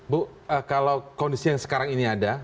bu kalau kondisi yang sekarang ini ada